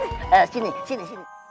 eh sini sini